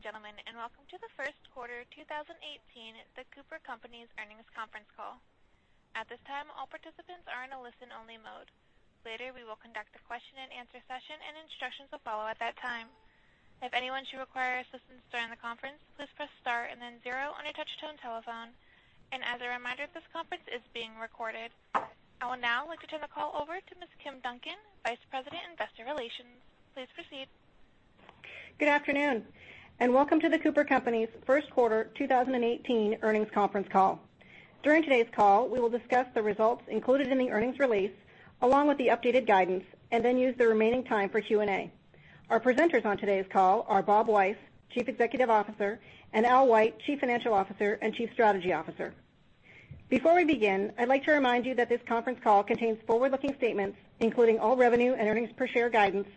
Good day, ladies and gentlemen, and welcome to the first quarter 2018, The Cooper Companies earnings conference call. At this time, all participants are in a listen-only mode. Later, we will conduct a question and answer session and instructions will follow at that time. If anyone should require assistance during the conference, please press star and then zero on a touch-tone telephone. As a reminder, this conference is being recorded. I will now like to turn the call over to Ms. Kim Duncan, Vice President, Investor Relations. Please proceed. Good afternoon, and welcome to The Cooper Companies' first quarter 2018 earnings conference call. During today's call, we will discuss the results included in the earnings release, along with the updated guidance, and then use the remaining time for Q&A. Our presenters on today's call are Bob Weiss, Chief Executive Officer, and Al White, Chief Financial Officer and Chief Strategy Officer. Before we begin, I'd like to remind you that this conference call contains forward-looking statements, including all revenue and earnings per share guidance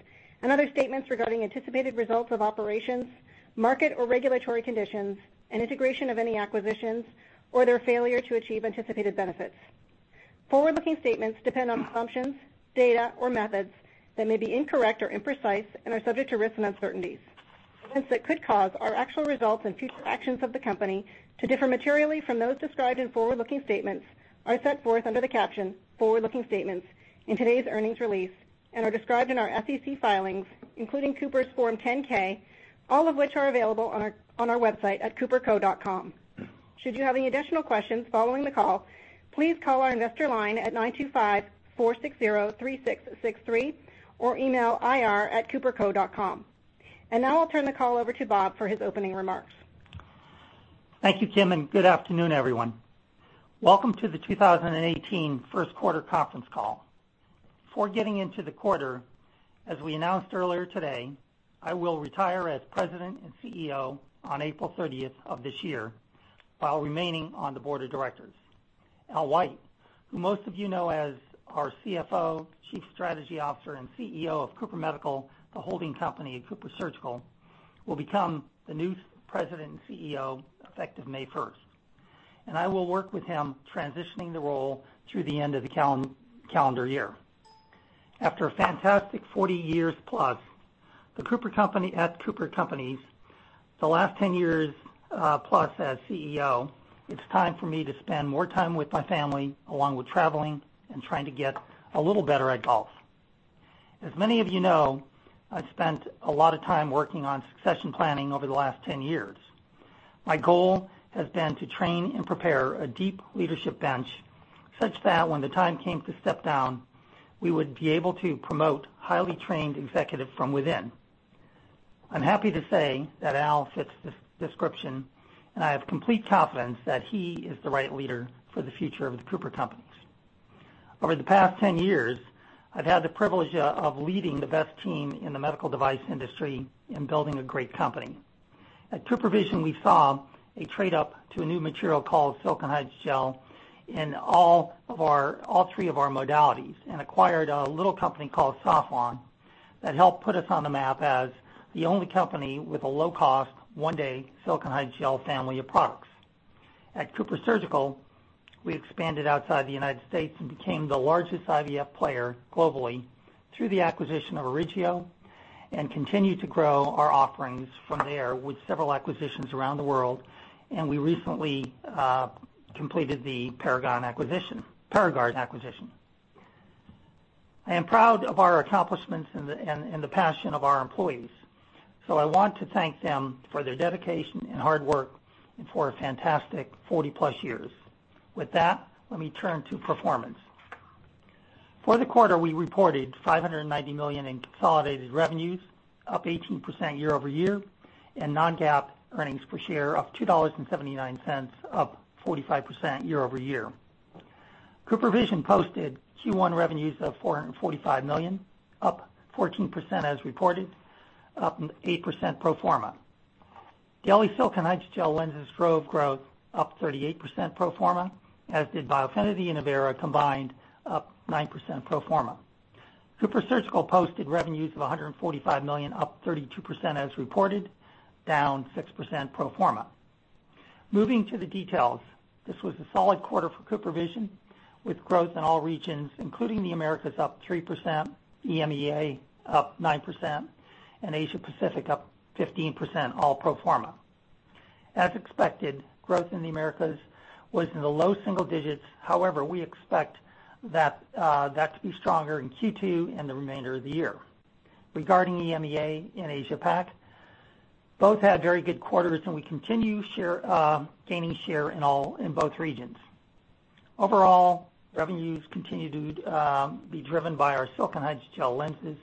and other statements regarding anticipated results of operations, market or regulatory conditions, and integration of any acquisitions, or their failure to achieve anticipated benefits. Forward-looking statements depend on assumptions, data, or methods that may be incorrect or imprecise and are subject to risks and uncertainties. Risks that could cause our actual results and future actions of the company to differ materially from those described in forward-looking statements are set forth under the caption Forward-looking Statements in today's earnings release and are described in our SEC filings, including Cooper's Form 10-K, all of which are available on our website at coopercos.com. Should you have any additional questions following the call, please call our investor line at 925-460-3663 or email ir@coopercos.com. Now I'll turn the call over to Bob for his opening remarks. Thank you, Kim, and good afternoon, everyone. Welcome to the 2018 first quarter conference call. Before getting into the quarter, as we announced earlier today, I will retire as President and CEO on April 30th of this year, while remaining on the board of directors. Al White, who most of you know as our CFO, Chief Strategy Officer, and CEO of Cooper Medical, the holding company of CooperSurgical, will become the new President and CEO effective May 1st, and I will work with him transitioning the role through the end of the calendar year. After a fantastic 40 years plus at The Cooper Companies, the last 10 years plus as CEO, it's time for me to spend more time with my family, along with traveling and trying to get a little better at golf. As many of you know, I've spent a lot of time working on succession planning over the last 10 years. My goal has been to train and prepare a deep leadership bench such that when the time came to step down, we would be able to promote highly trained executives from within. I'm happy to say that Al fits this description, and I have complete confidence that he is the right leader for the future of The Cooper Companies. Over the past 10 years, I've had the privilege of leading the best team in the medical device industry in building a great company. At CooperVision, we saw a trade-up to a new material called silicone hydrogel in all three of our modalities and acquired a little company called Sauflon that helped put us on the map as the only company with a low-cost, one-day silicone hydrogel family of products. At CooperSurgical, we expanded outside the U.S. and became the largest IVF player globally through the acquisition of Origio and continued to grow our offerings from there with several acquisitions around the world. We recently completed the PARAGARD acquisition. I am proud of our accomplishments and the passion of our employees, I want to thank them for their dedication and hard work and for a fantastic 40-plus years. With that, let me turn to performance. For the quarter, we reported $590 million in consolidated revenues, up 18% year-over-year, and non-GAAP earnings per share of $2.79, up 45% year-over-year. CooperVision posted Q1 revenues of $445 million, up 14% as reported, up 8% pro forma. Daily silicone hydrogel lenses drove growth up 38% pro forma, as did Biofinity and Avaira combined up 9% pro forma. CooperSurgical posted revenues of $145 million, up 32% as reported, down 6% pro forma. Moving to the details, this was a solid quarter for CooperVision, with growth in all regions, including the Americas up 3%, EMEA up 9%, and Asia Pacific up 15%, all pro forma. As expected, growth in the Americas was in the low single digits. However, we expect that to be stronger in Q2 and the remainder of the year. Regarding EMEA and Asia Pac, both had very good quarters, and we continue gaining share in both regions. Overall, revenues continue to be driven by our silicone hydrogel lenses,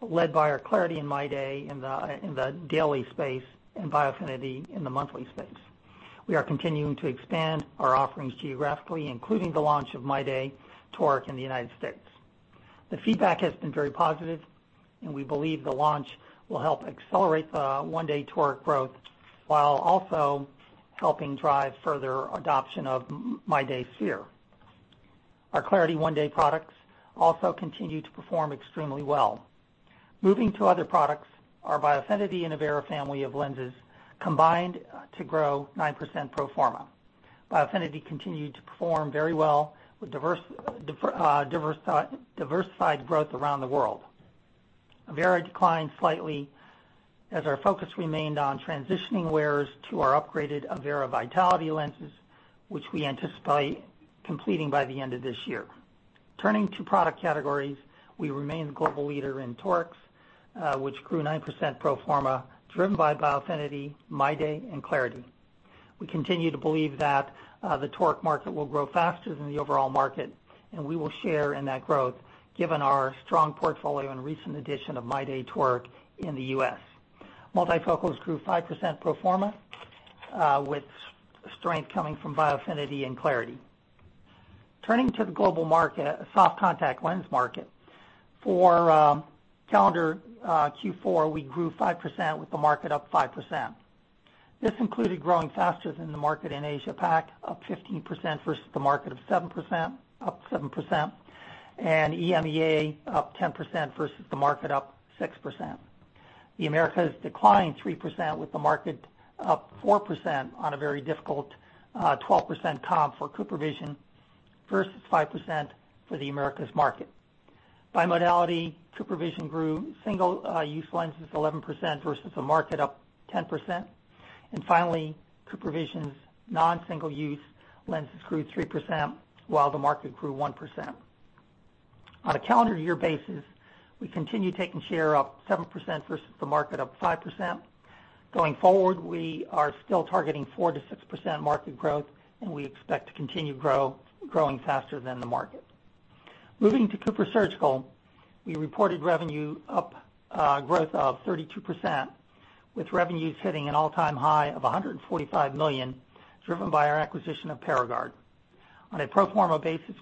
led by our clariti and MyDay in the daily space and Biofinity in the monthly space. We are continuing to expand our offerings geographically, including the launch of MyDay toric in the U.S. The feedback has been very positive, we believe the launch will help accelerate the one-day toric growth while also helping drive further adoption of MyDay sphere. Our clariti one-day products also continue to perform extremely well. Moving to other products, our Biofinity and Avaira family of lenses combined to grow 9% pro forma. Biofinity continued to perform very well with diversified growth around the world. Avaira declined slightly as our focus remained on transitioning wearers to our upgraded Avaira Vitality lenses, which we anticipate completing by the end of this year. Turning to product categories, we remain the global leader in torics, which grew 9% pro forma, driven by Biofinity, MyDay, and clariti. We continue to believe that the toric market will grow faster than the overall market, and we will share in that growth given our strong portfolio and recent addition of MyDay toric in the U.S. Multifocals grew 5% pro forma, with strength coming from Biofinity and clariti. Turning to the global market, soft contact lens market. For calendar Q4, we grew 5% with the market up 5%. This included growing faster than the market in Asia Pac, up 15% versus the market up 7%, and EMEA up 10% versus the market up 6%. The Americas declined 3% with the market up 4% on a very difficult 12% comp for CooperVision versus 5% for the Americas market. By modality, CooperVision grew single-use lenses 11% versus a market up 10%. Finally, CooperVision's non-single-use lenses grew 3%, while the market grew 1%. On a calendar year basis, we continue taking share up 7% versus the market up 5%. Going forward, we are still targeting 4%-6% market growth, and we expect to continue growing faster than the market. Moving to CooperSurgical, we reported revenue up growth of 32%, with revenues hitting an all-time high of $145 million, driven by our acquisition of PARAGARD. On a pro forma basis,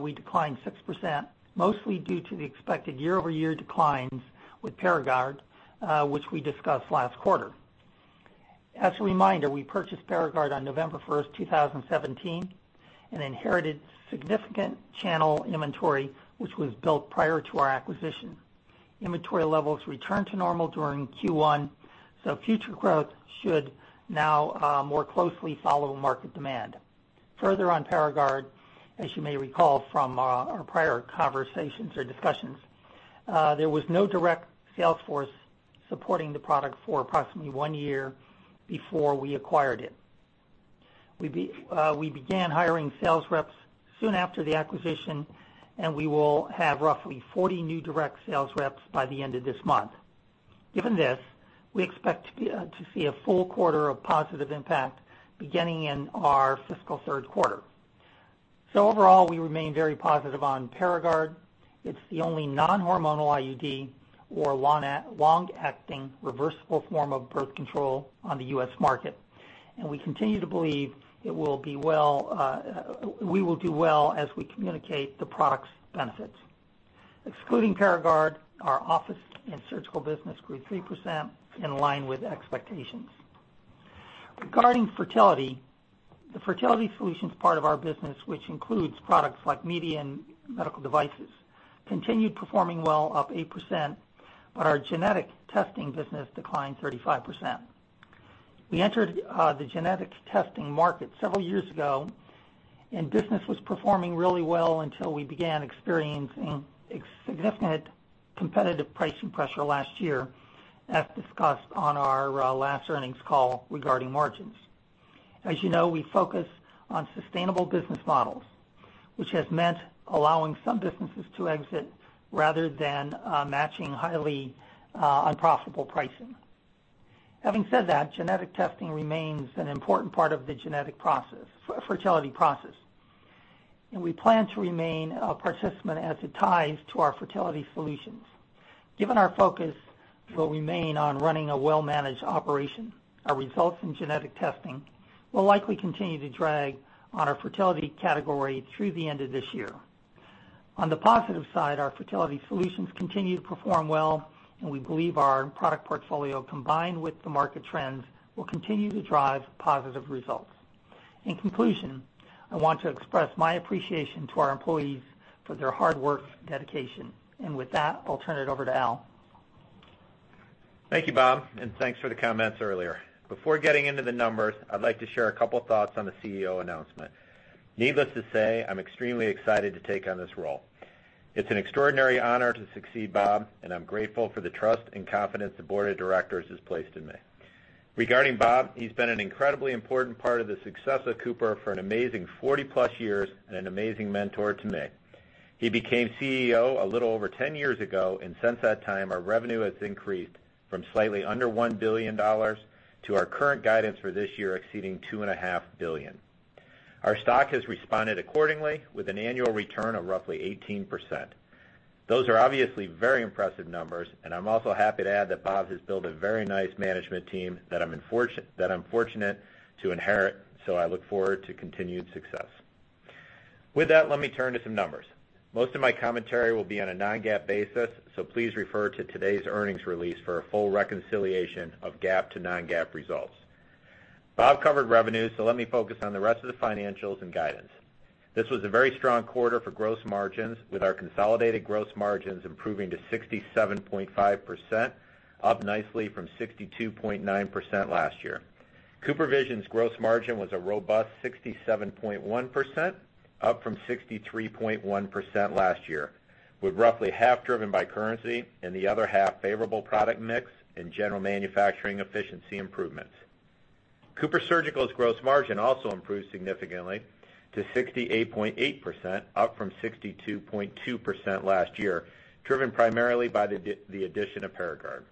we declined 6%, mostly due to the expected year-over-year declines with PARAGARD, which we discussed last quarter. As a reminder, we purchased PARAGARD on November 1st, 2017, and inherited significant channel inventory, which was built prior to our acquisition. Inventory levels returned to normal during Q1, future growth should now more closely follow market demand. Further on PARAGARD, as you may recall from our prior conversations or discussions, there was no direct sales force supporting the product for approximately one year before we acquired it. We began hiring sales reps soon after the acquisition, we will have roughly 40 new direct sales reps by the end of this month. Given this, we expect to see a full quarter of positive impact beginning in our fiscal third quarter. Overall, we remain very positive on PARAGARD. It's the only non-hormonal IUD or long-acting reversible form of birth control on the U.S. market. We continue to believe we will do well as we communicate the product's benefits. Excluding PARAGARD, our office and surgical business grew 3%, in line with expectations. Regarding fertility, the fertility solutions part of our business, which includes products like Media and medical devices, continued performing well, up 8%, but our genetic testing business declined 35%. We entered the genetic testing market several years ago, business was performing really well until we began experiencing significant competitive pricing pressure last year, as discussed on our last earnings call regarding margins. As you know, we focus on sustainable business models, which has meant allowing some businesses to exit rather than matching highly unprofitable pricing. Having said that, genetic testing remains an important part of the fertility process. We plan to remain a participant as it ties to our fertility solutions. Given our focus will remain on running a well-managed operation, our results in genetic testing will likely continue to drag on our fertility category through the end of this year. On the positive side, our fertility solutions continue to perform well, we believe our product portfolio, combined with the market trends, will continue to drive positive results. In conclusion, I want to express my appreciation to our employees for their hard work and dedication. With that, I'll turn it over to Al. Thank you, Bob, and thanks for the comments earlier. Before getting into the numbers, I'd like to share a couple thoughts on the CEO announcement. Needless to say, I'm extremely excited to take on this role. It's an extraordinary honor to succeed Bob, and I'm grateful for the trust and confidence the board of directors has placed in me. Regarding Bob, he's been an incredibly important part of the success of The Cooper Companies for an amazing 40-plus years and an amazing mentor to me. He became CEO a little over 10 years ago, since that time, our revenue has increased from slightly under $1 billion to our current guidance for this year exceeding $2.5 billion. Our stock has responded accordingly with an annual return of roughly 18%. Those are obviously very impressive numbers. I'm also happy to add that Bob has built a very nice management team that I'm fortunate to inherit. I look forward to continued success. With that, let me turn to some numbers. Most of my commentary will be on a non-GAAP basis, please refer to today's earnings release for a full reconciliation of GAAP to non-GAAP results. Bob covered revenue, let me focus on the rest of the financials and guidance. This was a very strong quarter for gross margins, with our consolidated gross margins improving to 67.5%, up nicely from 62.9% last year. CooperVision's gross margin was a robust 67.1%, up from 63.1% last year, with roughly half driven by currency and the other half favorable product mix and general manufacturing efficiency improvements. CooperSurgical's gross margin also improved significantly to 68.8%, up from 62.2% last year, driven primarily by the addition of PARAGARD.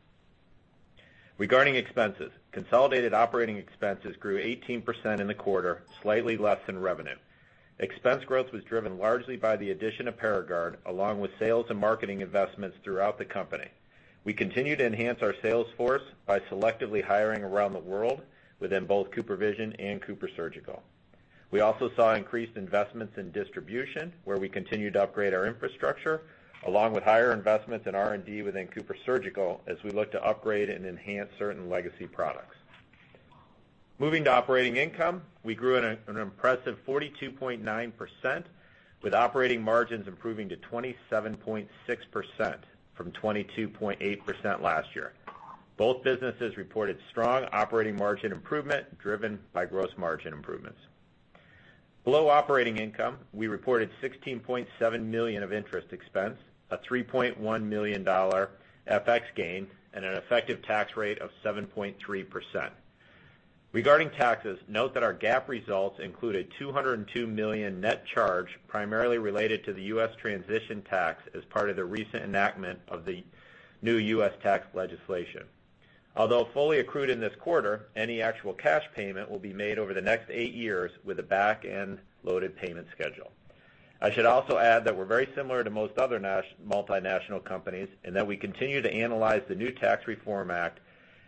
Regarding expenses, consolidated operating expenses grew 18% in the quarter, slightly less than revenue. Expense growth was driven largely by the addition of PARAGARD, along with sales and marketing investments throughout the company. We continue to enhance our sales force by selectively hiring around the world within both CooperVision and CooperSurgical. We also saw increased investments in distribution, where we continued to upgrade our infrastructure, along with higher investments in R&D within CooperSurgical as we look to upgrade and enhance certain legacy products. Moving to operating income, we grew at an impressive 42.9%, with operating margins improving to 27.6% from 22.8% last year. Both businesses reported strong operating margin improvement driven by gross margin improvements. Below operating income, we reported $16.7 million of interest expense, a $3.1 million FX gain, an effective tax rate of 7.3%. Regarding taxes, note that our GAAP results include a $202 million net charge, primarily related to the U.S. transition tax as part of the recent enactment of the new U.S. tax legislation. Although fully accrued in this quarter, any actual cash payment will be made over the next eight years with a back-end loaded payment schedule. I should also add that we're very similar to most other multinational companies. We continue to analyze the new Tax Reform Act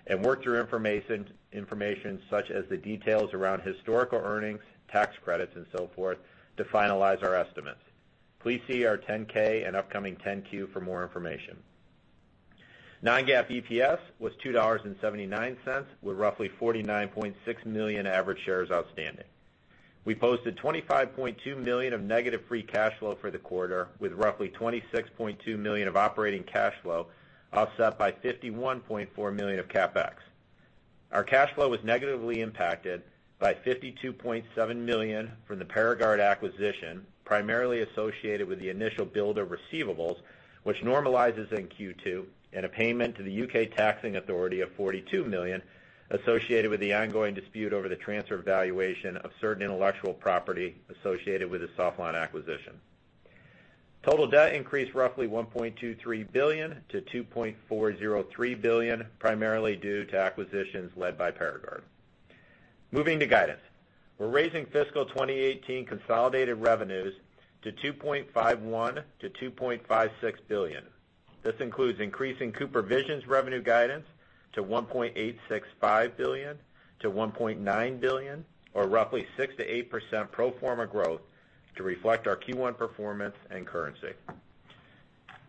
and work through information such as the details around historical earnings, tax credits, and so forth to finalize our estimates. Please see our 10-K and upcoming 10-Q for more information. non-GAAP EPS was $2.79, with roughly 49.6 million average shares outstanding. We posted $25.2 million of negative free cash flow for the quarter, with roughly $26.2 million of operating cash flow offset by $51.4 million of CapEx. Our cash flow was negatively impacted by $52.7 million from the PARAGARD acquisition, primarily associated with the initial build of receivables, which normalizes in Q2, and a payment to the U.K. taxing authority of $42 million associated with the ongoing dispute over the transfer valuation of certain intellectual property associated with the Sauflon acquisition. Total debt increased roughly $1.23 billion to $2.403 billion, primarily due to acquisitions led by PARAGARD. Moving to guidance, we're raising fiscal 2018 consolidated revenues to $2.51 billion-$2.56 billion. This includes increasing CooperVision's revenue guidance to $1.865 billion-$1.9 billion, or roughly 6%-8% pro forma growth to reflect our Q1 performance and currency.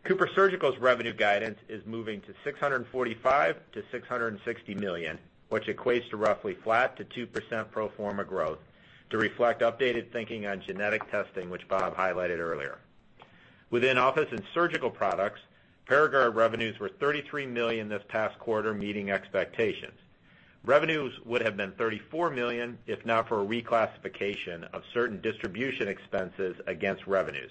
CooperSurgical's revenue guidance is moving to $645 million-$660 million, which equates to roughly flat to 2% pro forma growth to reflect updated thinking on genetic testing, which Bob highlighted earlier. Within office and surgical products, PARAGARD revenues were $33 million this past quarter, meeting expectations. Revenues would have been $34 million if not for a reclassification of certain distribution expenses against revenues.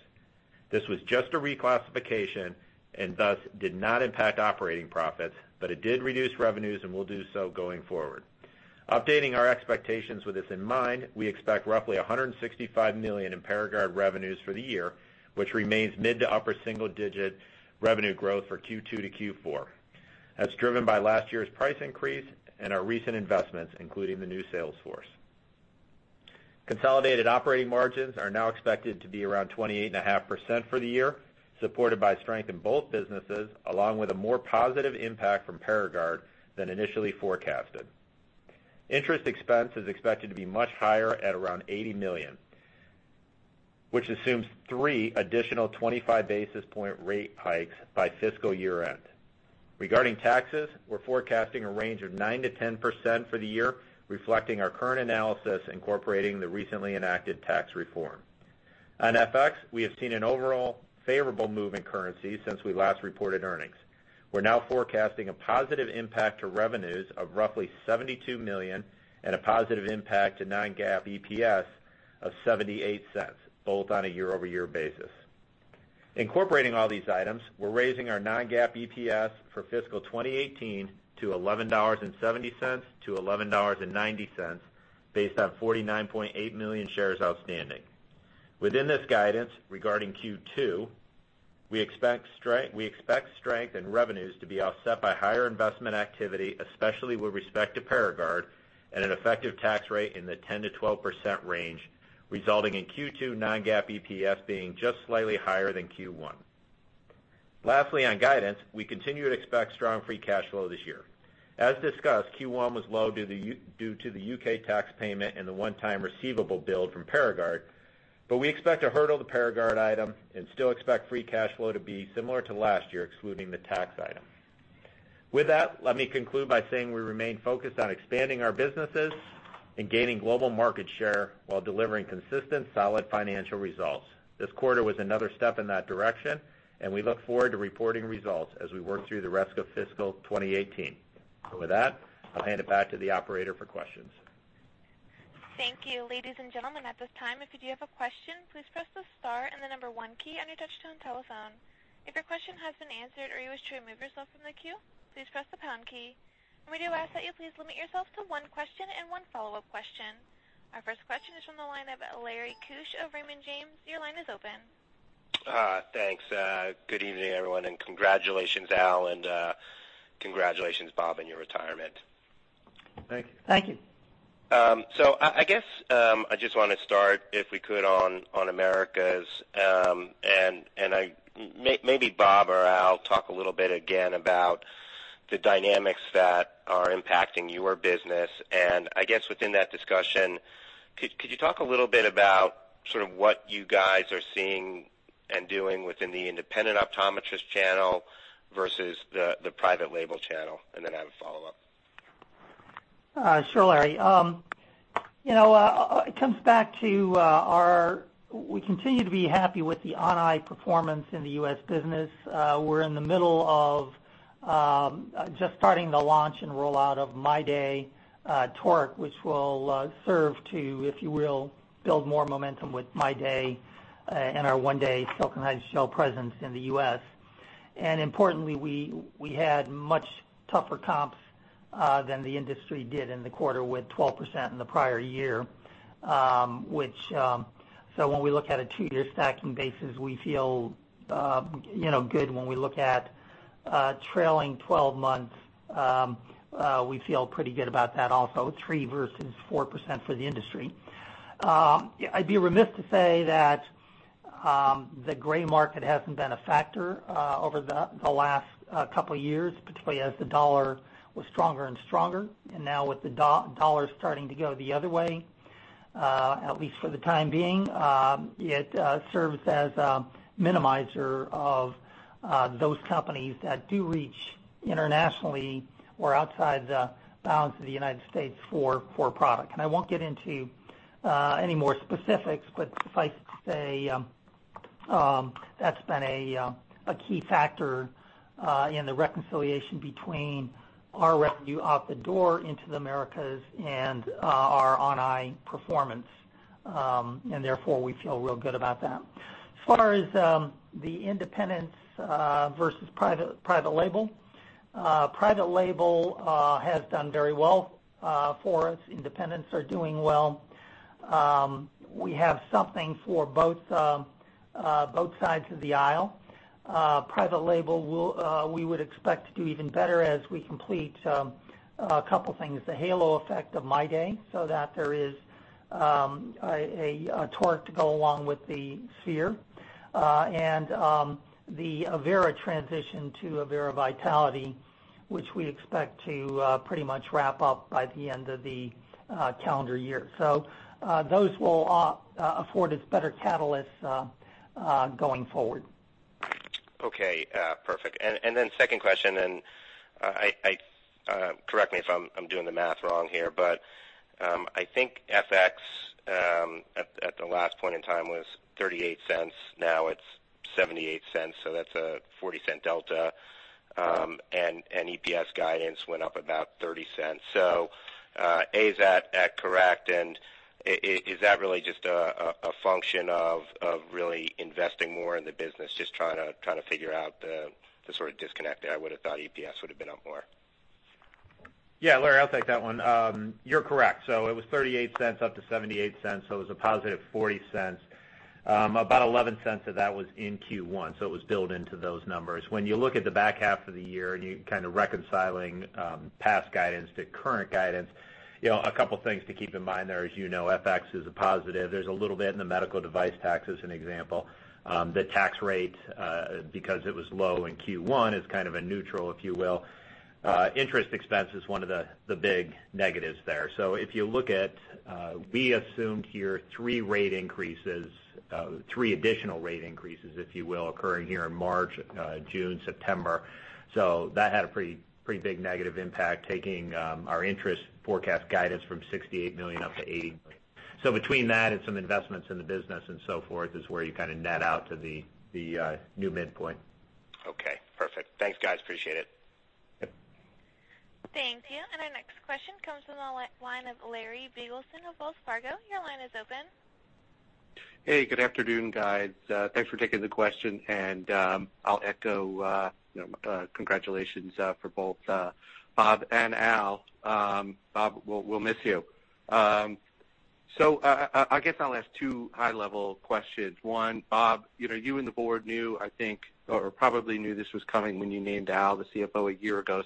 This was just a reclassification and thus did not impact operating profits, but it did reduce revenues and will do so going forward. Updating our expectations with this in mind, we expect roughly $165 million in PARAGARD revenues for the year, which remains mid to upper single-digit revenue growth for Q2 to Q4. That's driven by last year's price increase and our recent investments, including the new sales force. Consolidated operating margins are now expected to be around 28.5% for the year, supported by strength in both businesses, along with a more positive impact from PARAGARD than initially forecasted. Interest expense is expected to be much higher at around $80 million, which assumes three additional 25 basis point rate hikes by fiscal year-end. Regarding taxes, we're forecasting a range of 9%-10% for the year, reflecting our current analysis incorporating the recently enacted Tax Reform Act. On FX, we have seen an overall favorable move in currency since we last reported earnings. We're now forecasting a positive impact to revenues of roughly $72 million and a positive impact to non-GAAP EPS of $0.78, both on a year-over-year basis. Incorporating all these items, we're raising our non-GAAP EPS for fiscal 2018 to $11.70-$11.90, based on 49.8 million shares outstanding. Within this guidance regarding Q2, we expect strength in revenues to be offset by higher investment activity, especially with respect to PARAGARD, and an effective tax rate in the 10%-12% range, resulting in Q2 non-GAAP EPS being just slightly higher than Q1. Lastly, on guidance, we continue to expect strong free cash flow this year. As discussed, Q1 was low due to the U.K. tax payment and the one-time receivable build from PARAGARD, but we expect to hurdle the PARAGARD item and still expect free cash flow to be similar to last year, excluding the tax item. With that, let me conclude by saying we remain focused on expanding our businesses and gaining global market share while delivering consistent, solid financial results. This quarter was another step in that direction, and we look forward to reporting results as we work through the rest of fiscal 2018. With that, I'll hand it back to the operator for questions. Thank you. Ladies and gentlemen, at this time, if you do have a question, please press the star and the number 1 key on your touch-tone telephone. If your question has been answered or you wish to remove yourself from the queue, please press the pound key. We do ask that you please limit yourself to one question and one follow-up question. Our first question is from the line of Larry Keusch of Raymond James, your line is open. Thanks. Good evening, everyone, and congratulations, Al, and congratulations, Bob, on your retirement. Thank you. Thank you. I guess, I just want to start, if we could, on Americas. Maybe Bob or Al, talk a little bit again about the dynamics that are impacting your business. Within that discussion, could you talk a little bit about what you guys are seeing and doing within the independent optometrist channel versus the private label channel? Then I have a follow-up. Sure, Larry. It comes back to we continue to be happy with the on eye performance in the U.S. business. We're in the middle of just starting the launch and rollout of MyDay toric, which will serve to, if you will, build more momentum with MyDay and our one-day silicone hydrogel presence in the U.S. Importantly, we had much tougher comps than the industry did in the quarter with 12% in the prior year. When we look at a two-year stacking basis, we feel good. When we look at trailing 12 months, we feel pretty good about that also, 3% versus 4% for the industry. I'd be remiss to say that the gray market hasn't been a factor over the last couple of years, particularly as the dollar was stronger and stronger. Now with the dollar starting to go the other way, at least for the time being, it serves as a minimizer of those companies that do reach internationally or outside the bounds of the United States for product. I won't get into any more specifics, but suffice to say, that's been a key factor in the reconciliation between our revenue out the door into the Americas and our on eye performance. Therefore, we feel real good about that. As far as the independents versus private label, private label has done very well for us. Independents are doing well. We have something for both sides of the aisle. Private label, we would expect to do even better as we complete a couple of things. The halo effect of MyDay, so that there is a Toric to go along with the Sphere. The Avaira transition to Avaira Vitality, which we expect to pretty much wrap up by the end of the calendar year. Those will afford us better catalysts going forward. Okay, perfect. Second question, and correct me if I'm doing the math wrong here, but I think FX at the last point in time was $0.38. Now it's $0.78, so that's a $0.40 delta. EPS guidance went up about $0.30. Is that correct? Is that really just a function of really investing more in the business? Just trying to figure out the sort of disconnect there. I would have thought EPS would have been up more. Yeah, Larry, I'll take that one. You're correct. It was $0.38 up to $0.78, so it was a positive $0.40. About $0.11 of that was in Q1, so it was built into those numbers. When you look at the back half of the year and you're kind of reconciling past guidance to current guidance, a couple of things to keep in mind there. As you know, FX is a positive. There's a little bit in the medical device tax, as an example. The tax rate, because it was low in Q1, is kind of a neutral, if you will. Interest expense is one of the big negatives there. If you look at, we assumed here three rate increases, three additional rate increases, if you will, occurring here in March, June, September. That had a pretty big negative impact, taking our interest forecast guidance from $68 million up to $80 million. Between that and some investments in the business and so forth is where you kind of net out to the new midpoint. Okay, perfect. Thanks, guys. Appreciate it. Yep. Thank you. Our next question comes from the line of Larry Biegelsen of Wells Fargo. Your line is open. Hey, good afternoon, guys. Thanks for taking the question. I'll echo congratulations for both Bob and Al. Bob, we'll miss you. I guess I'll ask two high-level questions. One, Bob, you and the board knew, I think, or probably knew this was coming when you named Al the CFO a year ago.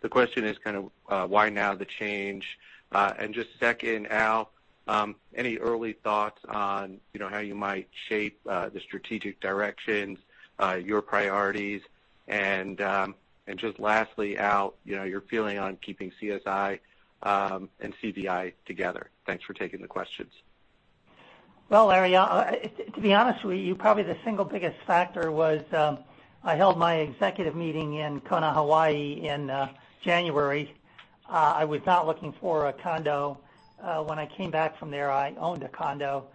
The question is kind of why now the change? Just second, Al, any early thoughts on how you might shape the strategic direction, your priorities, and just lastly, Al, your feeling on keeping CSI and CVI together. Thanks for taking the questions. Well, Larry, to be honest with you, probably the single biggest factor was, I held my executive meeting in Kona, Hawaii in January. I was not looking for a condo. When I came back from there, I owned a condo.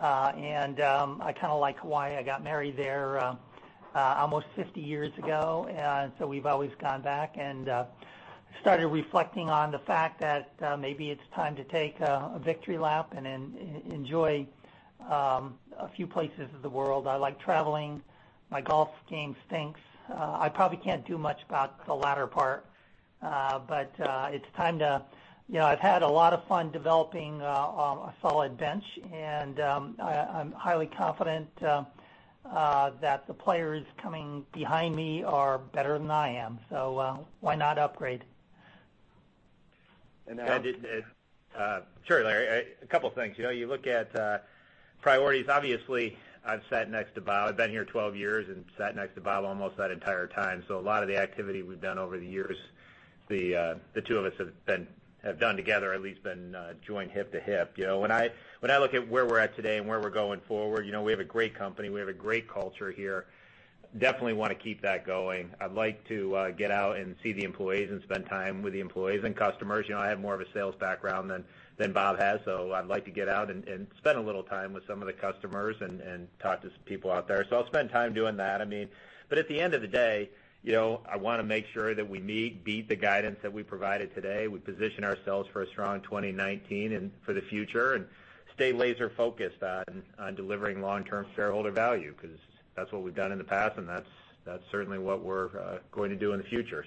I kind of like Hawaii. I got married there almost 50 years ago, and so we've always gone back. Started reflecting on the fact that maybe it's time to take a victory lap and enjoy a few places of the world. I like traveling. My golf game stinks. I probably can't do much about the latter part. I've had a lot of fun developing a solid bench and I'm highly confident that the players coming behind me are better than I am, so why not upgrade? Al? Sure, Larry. A couple of things. You look at priorities, obviously, I've sat next to Bob. I've been here 12 years and sat next to Bob almost that entire time. A lot of the activity we've done over the years, the two of us have done together, at least been joined hip to hip. When I look at where we're at today and where we're going forward, we have a great company, we have a great culture here. Definitely want to keep that going. I'd like to get out and see the employees and spend time with the employees and customers. I have more of a sales background than Bob has, so I'd like to get out and spend a little time with some of the customers and talk to some people out there. I'll spend time doing that. At the end of the day, I want to make sure that we meet, beat the guidance that we provided today, we position ourselves for a strong 2019 and for the future, and stay laser-focused on delivering long-term shareholder value, because that's what we've done in the past, and that's certainly what we're going to do in the future.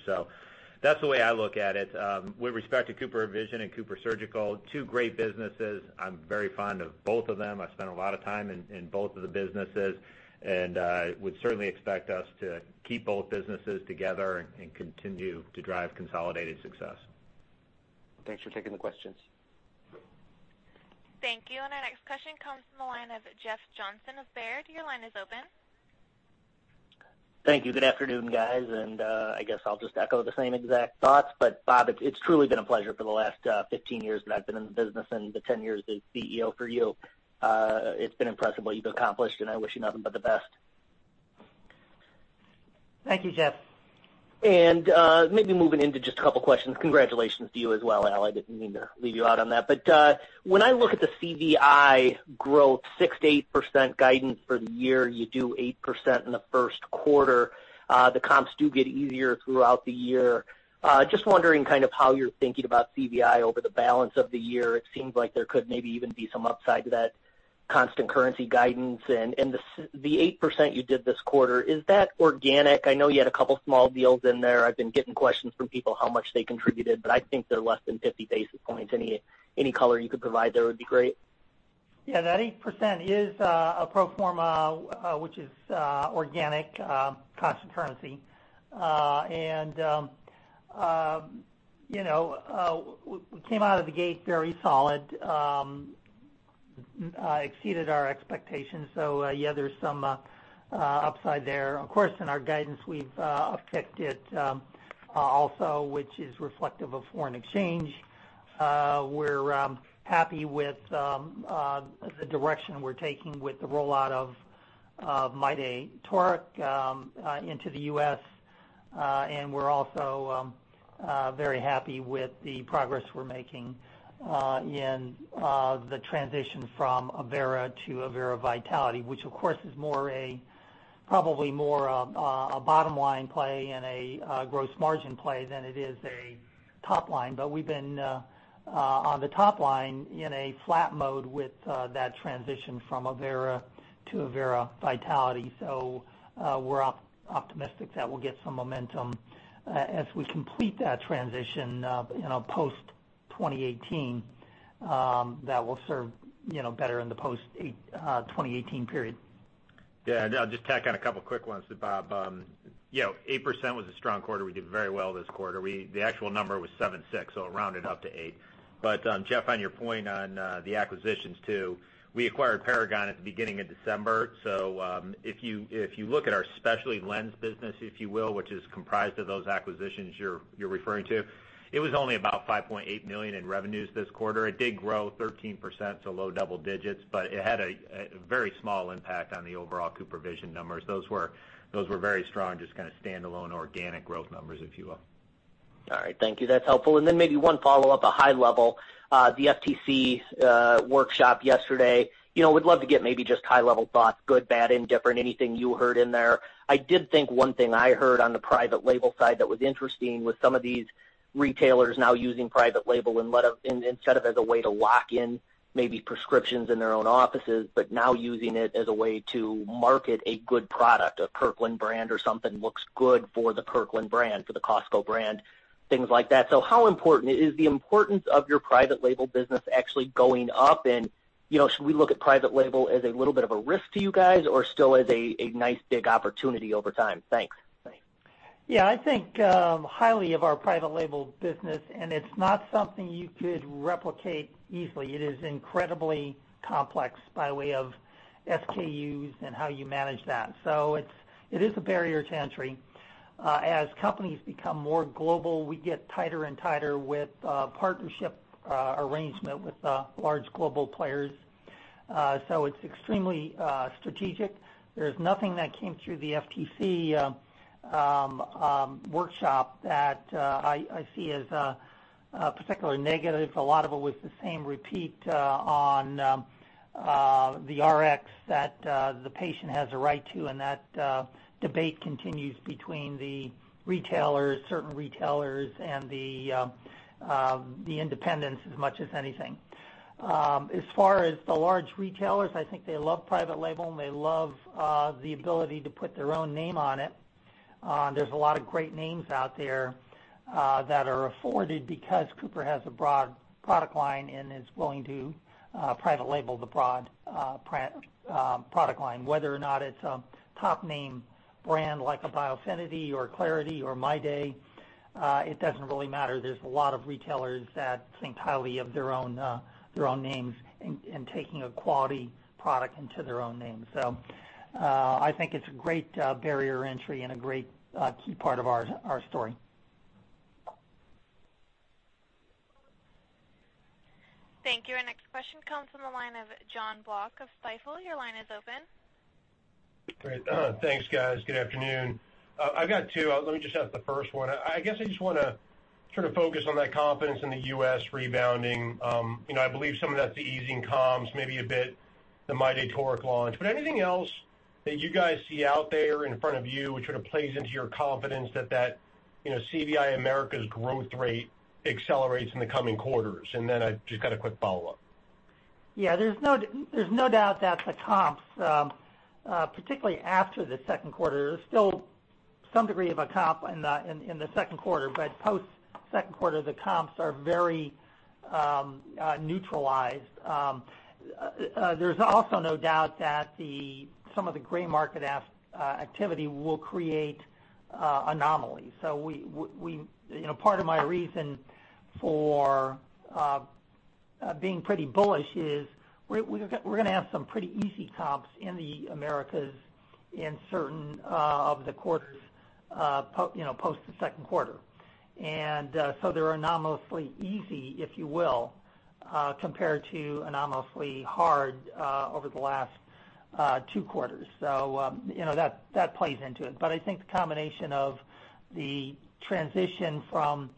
That's the way I look at it. With respect to CooperVision and CooperSurgical, two great businesses. I'm very fond of both of them. I spent a lot of time in both of the businesses, and would certainly expect us to keep both businesses together and continue to drive consolidated success. Thanks for taking the questions. Thank you. Our next question comes from the line of Jeff Johnson of Baird. Your line is open. Thank you. Good afternoon, guys. I guess I'll just echo the same exact thoughts. Bob, it's truly been a pleasure for the last 15 years that I've been in the business and the 10 years as CEO for you. It's been impressive what you've accomplished, and I wish you nothing but the best. Thank you, Jeff. Maybe moving into just a couple of questions. Congratulations to you as well, Al, I didn't mean to leave you out on that. When I look at the CVI growth, 6%-8% guidance for the year, you do 8% in the first quarter. The comps do get easier throughout the year. Just wondering kind of how you're thinking about CVI over the balance of the year. It seems like there could maybe even be some upside to that constant currency guidance. The 8% you did this quarter, is that organic? I know you had a couple small deals in there. I've been getting questions from people how much they contributed, but I think they're less than 50 basis points. Any color you could provide there would be great. That 8% is a pro forma, which is organic, constant currency. We came out of the gate very solid, exceeded our expectations. There's some upside there. Of course, in our guidance, we've upticked it also, which is reflective of foreign exchange. We're happy with the direction we're taking with the rollout of MyDay toric into the U.S. We're also very happy with the progress we're making in the transition from Avaira to Avaira Vitality, which of course, is probably more a bottom line play and a gross margin play than it is a top line. We've been on the top line in a flat mode with that transition from Avaira to Avaira Vitality. We're optimistic that we'll get some momentum as we complete that transition post-2018, that will serve better in the post-2018 period. I'll just tack on a couple of quick ones to Bob. 8% was a strong quarter. We did very well this quarter. The actual number was 7.6, so it rounded up to eight. Jeff, on your point on the acquisitions too, we acquired Paragon at the beginning of December. If you look at our specialty lens business, if you will, which is comprised of those acquisitions you're referring to, it was only about $5.8 million in revenues this quarter. It did grow 13%, so low double digits, but it had a very small impact on the overall CooperVision numbers. Those were very strong, just kind of standalone organic growth numbers, if you will. All right. Thank you. That's helpful. Then maybe one follow-up, a high level. The FTC workshop yesterday. Would love to get maybe just high-level thoughts, good, bad, indifferent, anything you heard in there. I did think one thing I heard on the private label side that was interesting was some of these retailers now using private label instead of as a way to lock in maybe prescriptions in their own offices, but now using it as a way to market a good product, a Kirkland brand or something looks good for the Kirkland brand, for the Costco brand, things like that. Is the importance of your private label business actually going up? Should we look at private label as a little bit of a risk to you guys or still as a nice big opportunity over time? Thanks. I think highly of our private label business, it's not something you could replicate easily. It is incredibly complex by way of SKUs and how you manage that. It is a barrier to entry. As companies become more global, we get tighter and tighter with partnership arrangement with large global players. It's extremely strategic. There's nothing that came through the FTC workshop that I see as particularly negative. A lot of it was the same repeat on the Rx that the patient has a right to, that debate continues between the retailers, certain retailers, the independents as much as anything. As far as the large retailers, I think they love private label, they love the ability to put their own name on it. There's a lot of great names out there that are afforded because Cooper has a broad product line and is willing to private label the broad product line. Whether or not it's a top-name brand like a Biofinity or clariti or MyDay, it doesn't really matter. There's a lot of retailers that think highly of their own names and taking a quality product into their own name. So I think it's a great barrier entry and a great key part of our story. Thank you. Our next question comes from the line of Jonathan Block of Stifel. Your line is open. Great. Thanks, guys. Good afternoon. I've got two. Let me just ask the first one. I guess I just want to sort of focus on that confidence in the U.S. rebounding. I believe some of that's the easing comps, maybe a bit the MyDay toric launch. But anything else that you guys see out there in front of you, which sort of plays into your confidence that CVI Americas growth rate accelerates in the coming quarters? Then I've just got a quick follow-up. Yeah, there's no doubt that the comps, particularly after the second quarter, there's still some degree of a comp in the second quarter, but post-second quarter, the comps are very neutralized. There's also no doubt that some of the gray market activity will create anomalies. Part of my reason for being pretty bullish is we're going to have some pretty easy comps in the Americas in certain of the quarters post the second quarter. They're anomalously easy, if you will, compared to anomalously hard over the last two quarters. So that plays into it. I think the combination of the transition from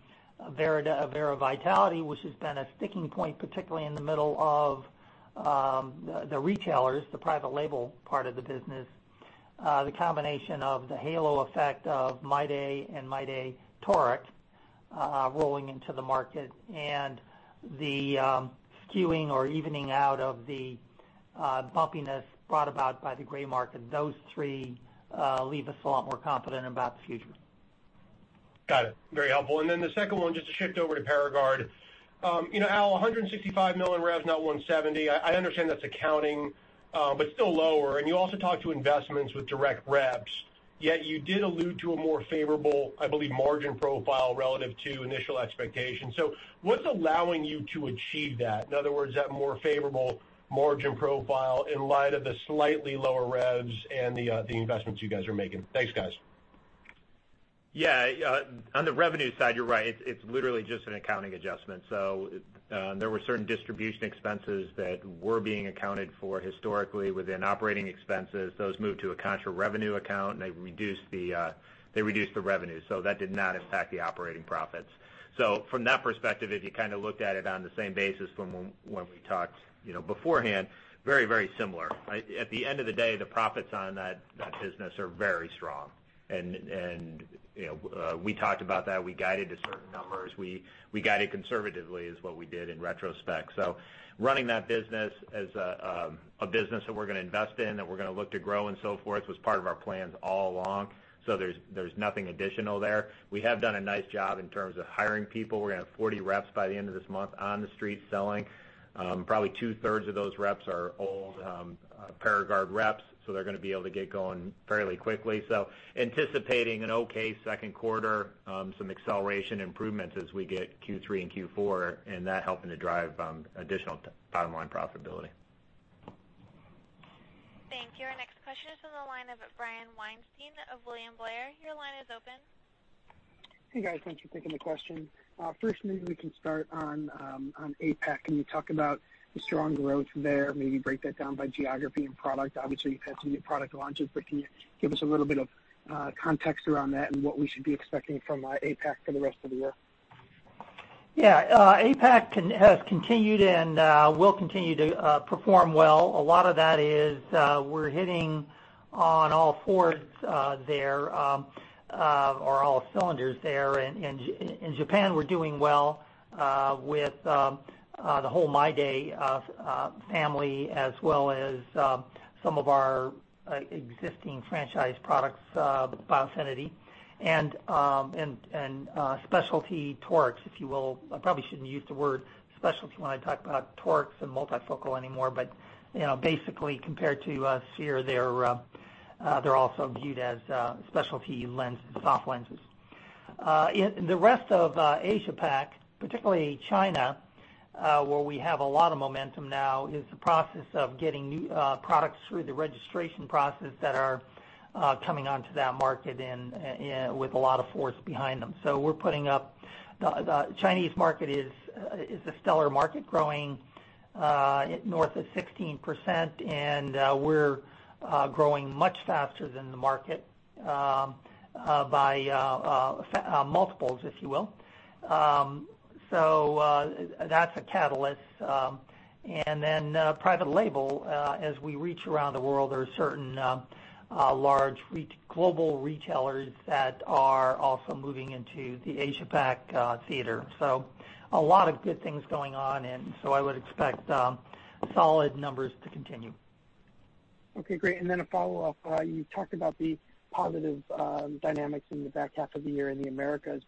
Avaira Vitality, which has been a sticking point, particularly in the middle of the retailers, the private label part of the business, the combination of the halo effect of MyDay and MyDay toric rolling into the market, and the skewing or evening out of the bumpiness brought about by the gray market, those three leave us a lot more confident about the future. Got it. Very helpful. The second one, just to shift over to PARAGARD. Al, $165 million rev, not $170. I understand that's accounting, but still lower. You also talked to investments with direct reps, yet you did allude to a more favorable, I believe, margin profile relative to initial expectations. What's allowing you to achieve that? In other words, that more favorable margin profile in light of the slightly lower revs and the investments you guys are making. Thanks, guys. On the revenue side, you're right. It's literally just an accounting adjustment. There were certain distribution expenses that were being accounted for historically within operating expenses. Those moved to a contra revenue account, they reduced the revenue. That did not impact the operating profits. From that perspective, if you kind of looked at it on the same basis from when we talked beforehand, very similar. At the end of the day, the profits on that business are very strong. We talked about that. We guided to certain numbers. We guided conservatively is what we did in retrospect. Running that business as a business that we're going to invest in, that we're going to look to grow and so forth was part of our plans all along. There's nothing additional there. We have done a nice job in terms of hiring people. We're going to have 40 reps by the end of this month on the street selling. Probably two-thirds of those reps are old PARAGARD reps, they're going to be able to get going fairly quickly. Anticipating an okay second quarter, some acceleration improvements as we get Q3 and Q4, that helping to drive additional bottom-line profitability. Thank you. Our next question is on the line of Brian Weinstein of William Blair. Your line is open. Hey, guys. Thank you for taking the question. First, maybe we can start on APAC. Can you talk about the strong growth there? Maybe break that down by geography and product. Obviously, you've had some new product launches, but can you give us a little bit of context around that and what we should be expecting from APAC for the rest of the year? Yeah. APAC has continued and will continue to perform well. A lot of that is we're hitting on all fours there, or all cylinders there. In Japan, we're doing well with the whole MyDay family as well as some of our existing franchise products, Biofinity and specialty torics, if you will. I probably shouldn't use the word specialty when I talk about torics and multifocal anymore, but basically compared to a sphere, they're also viewed as specialty lens, soft lenses. In the rest of Asia-Pac, particularly China, where we have a lot of momentum now, is the process of getting new products through the registration process that are coming onto that market with a lot of force behind them. The Chinese market is a stellar market, growing north of 16%, and we're growing much faster than the market by multiples, if you will. That's a catalyst. Then private label, as we reach around the world, there are certain large global retailers that are also moving into the Asia-Pac theater. A lot of good things going on, I would expect solid numbers to continue. Okay, great. A follow-up. You talked about the positive dynamics in the back half of the year in the Americas,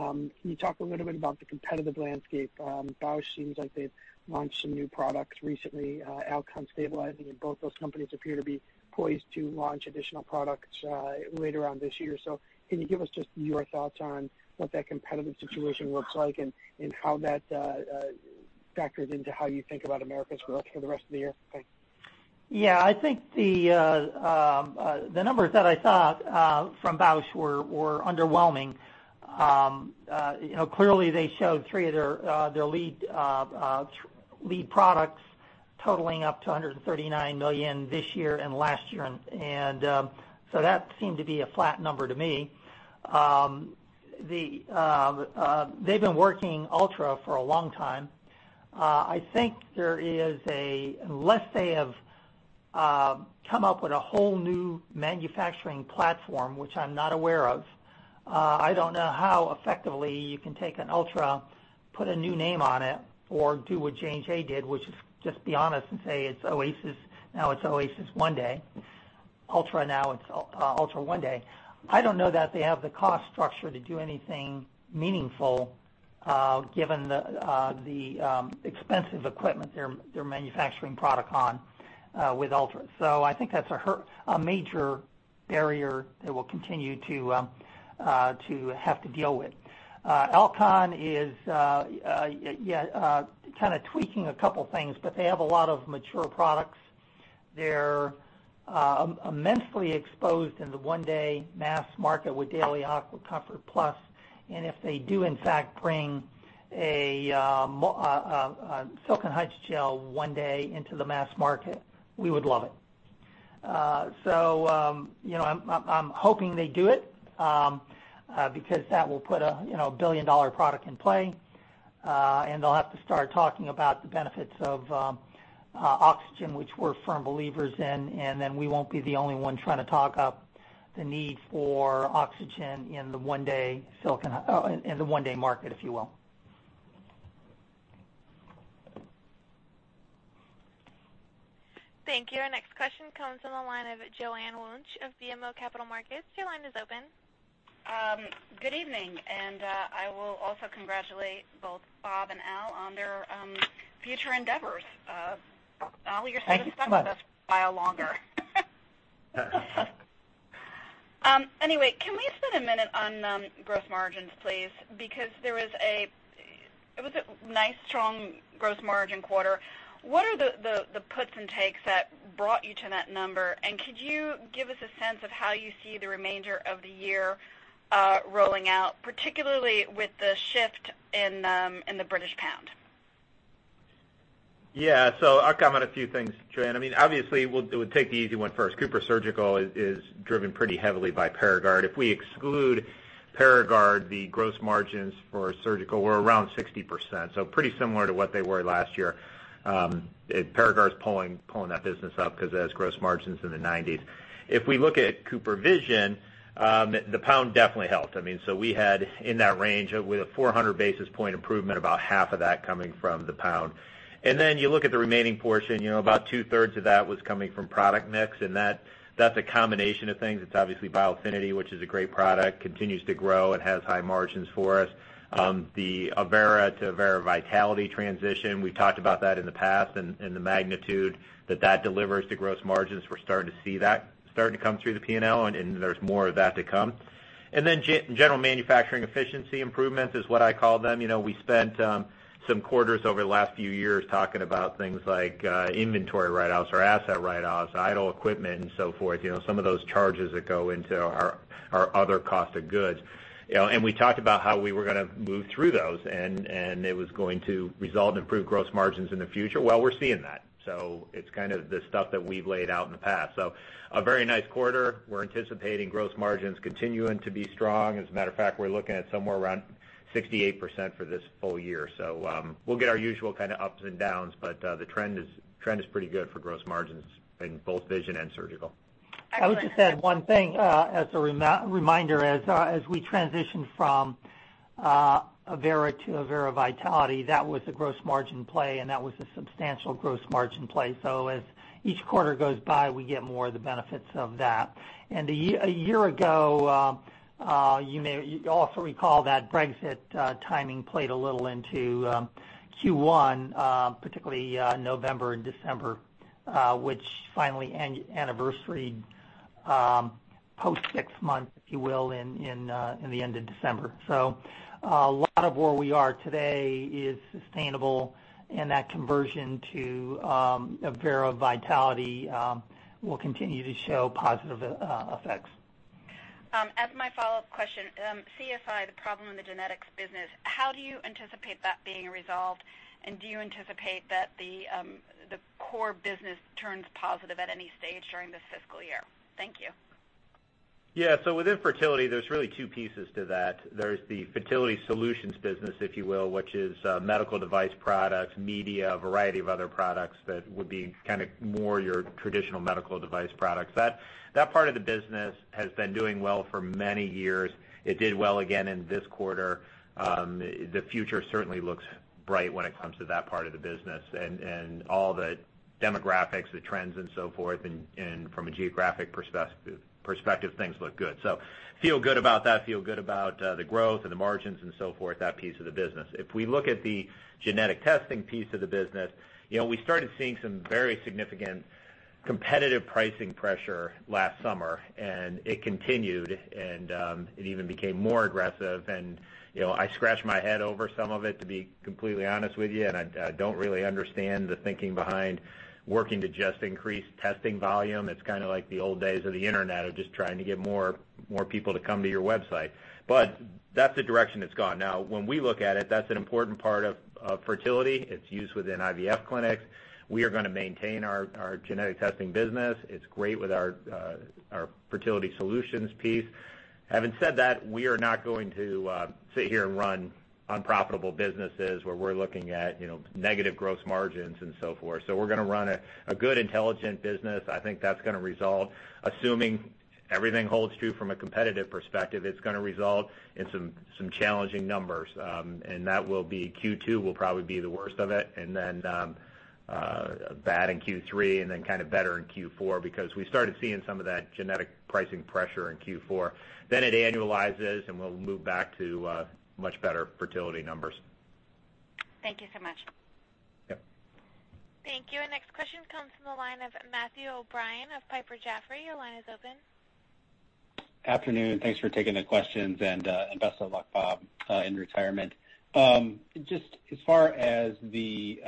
can you talk a little bit about the competitive landscape? Bausch seems like they've launched some new products recently, Alcon stabilizing, and both those companies appear to be poised to launch additional products later on this year. Can you give us just your thoughts on what that competitive situation looks like and how that factors into how you think about Americas growth for the rest of the year? Thanks. Yeah. I think the numbers that I saw from Bausch were underwhelming. Clearly, they showed three of their lead products totaling up to $139 million this year and last year, that seemed to be a flat number to me. They've been working ULTRA for a long time. I think there is a, unless they have come up with a whole new manufacturing platform, which I'm not aware of, I don't know how effectively you can take an ULTRA, put a new name on it, or do what J&J did, which is just be honest and say, "Oasys, now it's Oasys 1-Day. ULTRA, now it's ULTRA ONE DAY." I don't know that they have the cost structure to do anything meaningful given the expensive equipment they're manufacturing product on with ULTRA. I think that's a major barrier they will continue to have to deal with. Alcon is kind of tweaking a couple things, they have a lot of mature products. They're immensely exposed in the one-day mass market with DAILIES AquaComfort Plus. If they do, in fact, bring a silicone hydrogel one day into the mass market, we would love it. I'm hoping they do it because that will put a billion-dollar product in play. They'll have to start talking about the benefits of oxygen, which we're firm believers in, and then we won't be the only one trying to talk up the need for oxygen in the one-day market, if you will. Thank you. Our next question comes from the line of Joanne Wuensch of BMO Capital Markets. Your line is open. Good evening. I will also congratulate both Bob and Al on their future endeavors. Thank you. Al, you're staying with us longer. Can we spend a minute on gross margins, please? It was a nice, strong gross margin quarter. What are the puts and takes that brought you to that number? Could you give us a sense of how you see the remainder of the year rolling out, particularly with the shift in the British pound? I'll comment a few things, Joanne. Obviously, we'll take the easy one first. CooperSurgical is driven pretty heavily by PARAGARD. If we exclude PARAGARD, the gross margins for surgical were around 60%, so pretty similar to what they were last year. PARAGARD's pulling that business up because it has gross margins in the 90s. If we look at CooperVision, the pound definitely helped. We had in that range with a 400 basis point improvement, about half of that coming from the pound. You look at the remaining portion, about two-thirds of that was coming from product mix, and that's a combination of things. It's obviously Biofinity, which is a great product, continues to grow and has high margins for us. The Avaira to Avaira Vitality transition, we've talked about that in the past and the magnitude that that delivers to gross margins. We're starting to see that starting to come through the P&L. There's more of that to come. General manufacturing efficiency improvements is what I call them. We spent some quarters over the last few years talking about things like inventory write-offs or asset write-offs, idle equipment and so forth. Some of those charges that go into our other cost of goods. We talked about how we were going to move through those, and it was going to result in improved gross margins in the future. Well, we're seeing that. It's kind of the stuff that we've laid out in the past. A very nice quarter. We're anticipating gross margins continuing to be strong. As a matter of fact, we're looking at somewhere around 68% for this full year. We'll get our usual kind of ups and downs, but the trend is pretty good for gross margins in both vision and surgical. Excellent. I would just add one thing as a reminder. As we transition from Avaira to Avaira Vitality, that was a gross margin play, and that was a substantial gross margin play. As each quarter goes by, we get more of the benefits of that. A year ago, you also recall that Brexit timing played a little into Q1, particularly November and December Which finally anniversaried post six months, if you will, in the end of December. A lot of where we are today is sustainable, and that conversion to Avaira Vitality will continue to show positive effects. As my follow-up question, CSI, the problem in the genetics business, how do you anticipate that being resolved? Do you anticipate that the core business turns positive at any stage during this fiscal year? Thank you. Yeah. With infertility, there's really two pieces to that. There's the fertility solutions business, if you will, which is medical device products, Medi, a variety of other products that would be more your traditional medical device products. That part of the business has been doing well for many years. It did well again in this quarter. The future certainly looks bright when it comes to that part of the business and all the demographics, the trends, and so forth, and from a geographic perspective, things look good. Feel good about that, feel good about the growth and the margins and so forth, that piece of the business. If we look at the genetic testing piece of the business, we started seeing some very significant competitive pricing pressure last summer, and it continued, and it even became more aggressive. I scratch my head over some of it, to be completely honest with you, and I don't really understand the thinking behind working to just increase testing volume. It's kind of like the old days of the internet of just trying to get more people to come to your website. That's the direction it's gone. Now, when we look at it, that's an important part of fertility. It's used within IVF clinics. We are going to maintain our genetic testing business. It's great with our fertility solutions piece. Having said that, we are not going to sit here and run unprofitable businesses where we're looking at negative gross margins and so forth. We're going to run a good, intelligent business. I think that's going to resolve, assuming everything holds true from a competitive perspective, it's going to resolve in some challenging numbers. Q2 will probably be the worst of it, bad in Q3, and then kind of better in Q4 because we started seeing some of that genetic pricing pressure in Q4. It annualizes, and we'll move back to much better fertility numbers. Thank you so much. Yep. Thank you. Next question comes from the line of Matthew O'Brien of Piper Jaffray. Your line is open. Afternoon. Thanks for taking the questions, and best of luck, Bob, in retirement. Just as far as the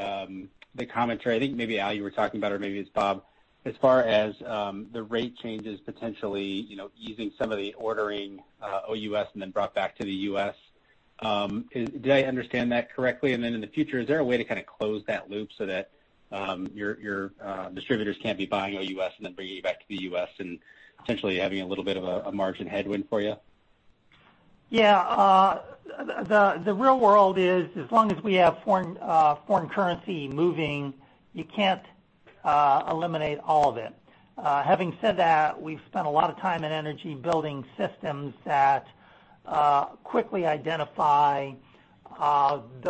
commentary, I think maybe, Al, you were talking about it, or maybe it's Bob, as far as the rate changes potentially using some of the ordering OUS and then brought back to the U.S. Did I understand that correctly? In the future, is there a way to kind of close that loop so that your distributors can't be buying OUS and then bringing it back to the U.S. and potentially having a little bit of a margin headwind for you? Yeah. The real world is, as long as we have foreign currency moving, you can't eliminate all of it. Having said that, we've spent a lot of time and energy building systems that quickly identify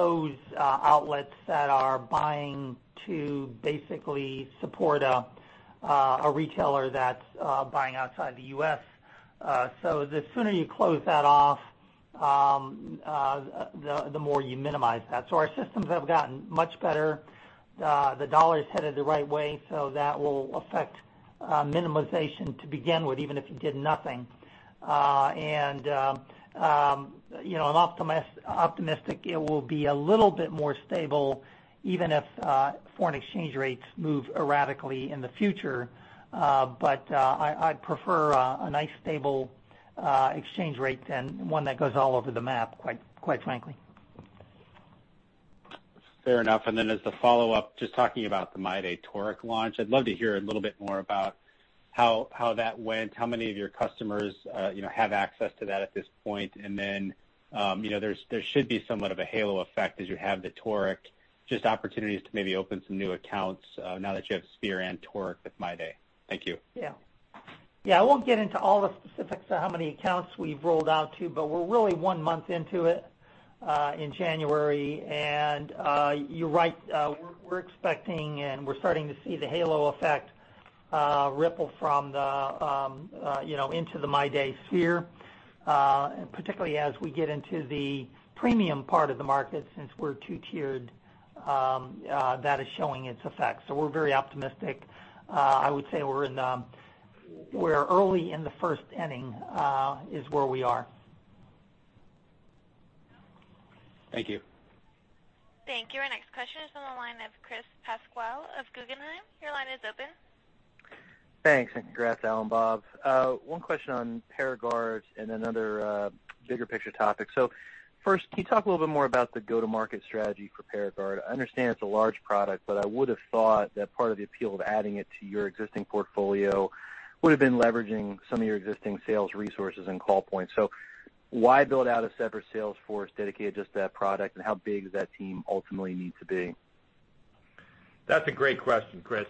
those outlets that are buying to basically support a retailer that's buying outside the U.S. The sooner you close that off, the more you minimize that. Our systems have gotten much better. The dollar is headed the right way, so that will affect minimization to begin with, even if you did nothing. I'm optimistic it will be a little bit more stable, even if foreign exchange rates move erratically in the future. I'd prefer a nice, stable exchange rate than one that goes all over the map, quite frankly. Fair enough. As a follow-up, just talking about the MyDay toric launch, I'd love to hear a little bit more about how that went, how many of your customers have access to that at this point. There should be somewhat of a halo effect as you have the toric, just opportunities to maybe open some new accounts now that you have sphere and toric with MyDay. Thank you. Yeah. I won't get into all the specifics of how many accounts we've rolled out to, but we're really one month into it in January. You're right, we're expecting and we're starting to see the halo effect ripple into the MyDay sphere, particularly as we get into the premium part of the market since we're two-tiered, that is showing its effects. We're very optimistic. I would say we're early in the first inning, is where we are. Thank you. Thank you. Our next question is on the line of Chris Pasquale of Guggenheim. Your line is open. Thanks, and congrats, Al and Bob. One question on PARAGARD and another bigger picture topic. First, can you talk a little bit more about the go-to-market strategy for PARAGARD? I understand it's a large product, but I would have thought that part of the appeal of adding it to your existing portfolio would have been leveraging some of your existing sales resources and call points. Why build out a separate sales force dedicated just to that product, and how big does that team ultimately need to be? That's a great question, Chris.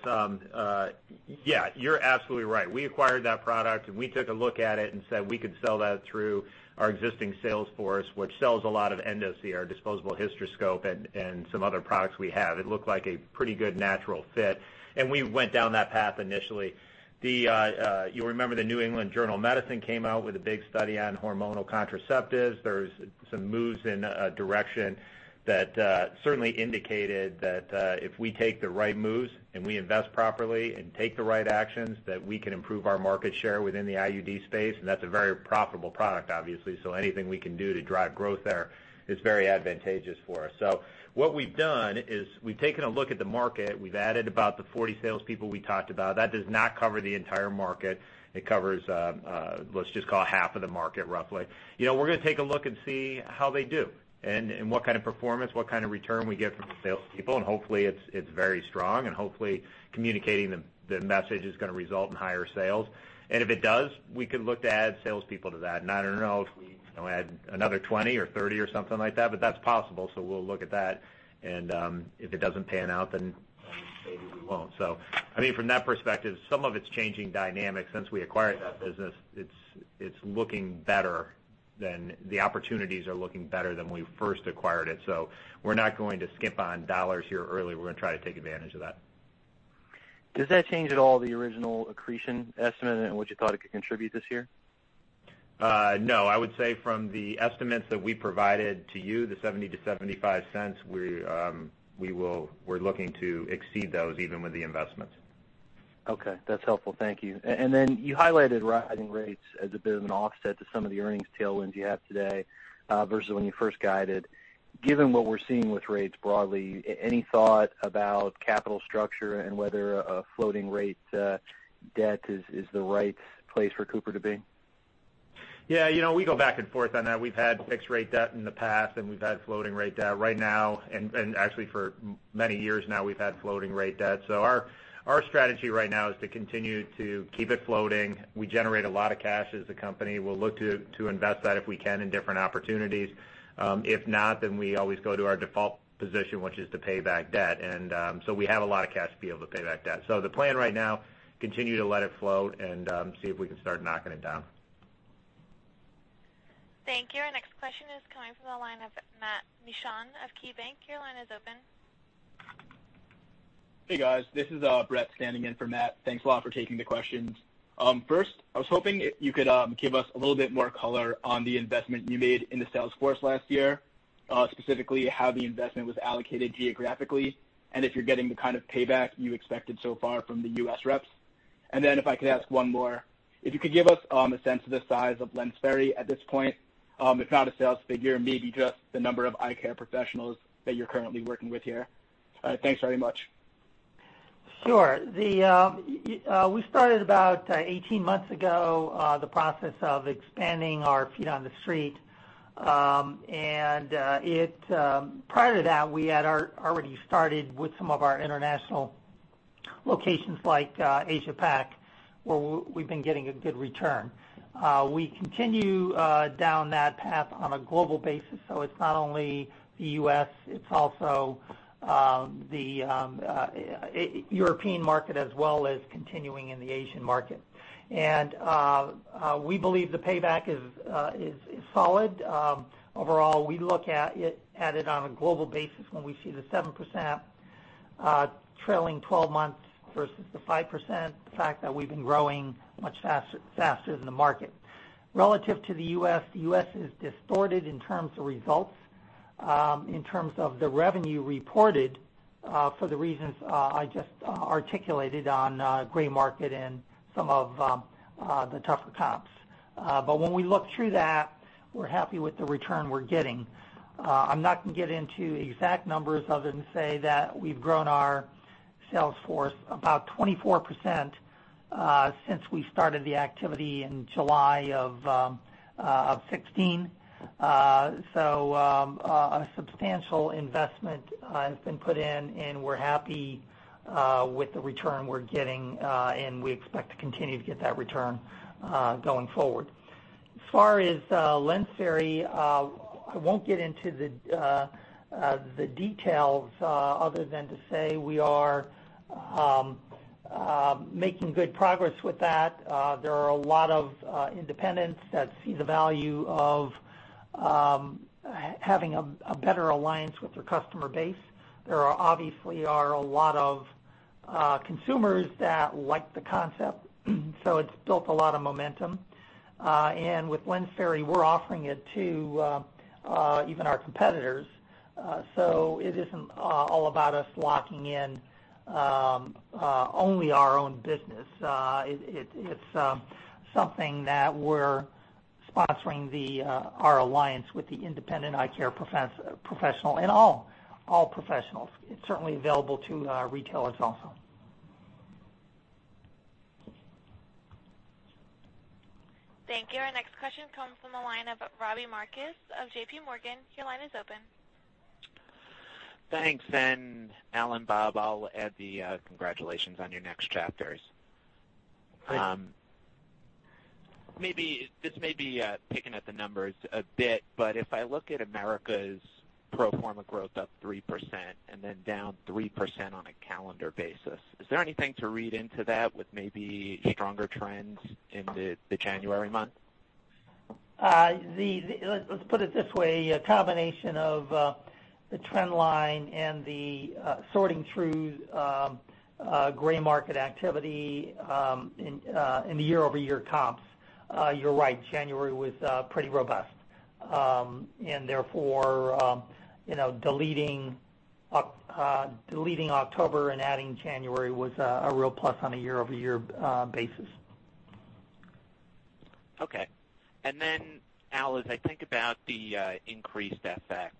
Yeah, you're absolutely right. We acquired that product, and we took a look at it and said we could sell that through our existing sales force, which sells a lot of EndoSee, our disposable hysteroscope, and some other products we have. It looked like a pretty good natural fit, and we went down that path initially. You remember the New England Journal of Medicine came out with a big study on hormonal contraceptives. There's some moves in a direction that certainly indicated that if we take the right moves and we invest properly and take the right actions, that we can improve our market share within the IUD space, and that's a very profitable product, obviously. Anything we can do to drive growth there is very advantageous for us. What we've done is we've taken a look at the market. We've added about the 40 salespeople we talked about. That does not cover the entire market. It covers, let's just call it half of the market, roughly. We're going to take a look and see how they do, and what kind of performance, what kind of return we get from the salespeople, and hopefully it's very strong, and hopefully communicating the message is going to result in higher sales. If it does, we could look to add salespeople to that. I don't know if we add another 20 or 30 or something like that, but that's possible, so we'll look at that. If it doesn't pan out, then maybe we won't. From that perspective, some of it's changing dynamics since we acquired that business. The opportunities are looking better than when we first acquired it. We're not going to skimp on dollars here early. We're going to try to take advantage of that. Does that change at all the original accretion estimate and what you thought it could contribute this year? No, I would say from the estimates that we provided to you, the $0.70-$0.75, we're looking to exceed those even with the investments. Okay. That's helpful. Thank you. You highlighted rising rates as a bit of an offset to some of the earnings tailwinds you have today versus when you first guided. Given what we're seeing with rates broadly, any thought about capital structure and whether a floating rate debt is the right place for Cooper to be? Yeah, we go back and forth on that. We've had fixed rate debt in the past, and we've had floating rate debt. Right now, actually for many years now, we've had floating rate debt. Our strategy right now is to continue to keep it floating. We generate a lot of cash as a company. We'll look to invest that if we can in different opportunities. If not, we always go to our default position, which is to pay back debt. We have a lot of cash to be able to pay back debt. The plan right now, continue to let it float and see if we can start knocking it down. Thank you. Our next question is coming from the line of Matt Mishan of KeyBanc. Your line is open. Hey, guys. This is Brett standing in for Matt. Thanks a lot for taking the questions. First, I was hoping you could give us a little bit more color on the investment you made in the sales force last year, specifically how the investment was allocated geographically, and if you're getting the kind of payback you expected so far from the U.S. reps. If I could ask one more, if you could give us a sense of the size of LensFerry at this point, if not a sales figure, maybe just the number of eye care professionals that you're currently working with here. Thanks very much. Sure. We started about 18 months ago, the process of expanding our feet on the street. Prior to that, we had already started with some of our international locations like Asia-Pac, where we've been getting a good return. We continue down that path on a global basis, so it's not only the U.S., it's also the European market as well as continuing in the Asian market. We believe the payback is solid. Overall, we look at it on a global basis when we see the 7% trailing 12 months versus the 5%, the fact that we've been growing much faster than the market. Relative to the U.S., the U.S. is distorted in terms of results, in terms of the revenue reported for the reasons I just articulated on gray market and some of the tougher comps. When we look through that, we're happy with the return we're getting. I'm not going to get into exact numbers other than say that we've grown our sales force about 24% since we started the activity in July of 2016. A substantial investment has been put in, and we're happy with the return we're getting, and we expect to continue to get that return going forward. As far as LensFerry, I won't get into the details other than to say we are making good progress with that. There are a lot of independents that see the value of having a better alliance with their customer base. There obviously are a lot of consumers that like the concept, so it's built a lot of momentum. With LensFerry, we're offering it to even our competitors. It isn't all about us locking in only our own business. It's something that we're sponsoring our alliance with the independent eye care professional and all professionals. It's certainly available to retailers also. Thank you. Our next question comes from the line of Robbie Marcus of JPMorgan. Your line is open. Thanks. Al and Bob, I'll add the congratulations on your next chapters. Great. Maybe this may be picking at the numbers a bit, if I look at Americas pro forma growth up 3% then down 3% on a calendar basis, is there anything to read into that with maybe stronger trends in the January month? Let's put it this way, a combination of the trend line and the sorting through gray market activity in the year-over-year comps. You're right, January was pretty robust. Therefore, deleting October and adding January was a real plus on a year-over-year basis. Okay. Al, as I think about the increased FX,